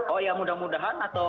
oh ya mudah mudahan atau